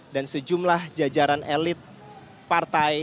dan sejumlah jajaran elit partai